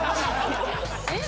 えっ？